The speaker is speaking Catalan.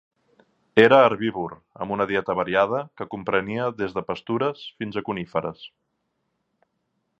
Era herbívor, amb una dieta variada que comprenia des de pastures fins a coníferes.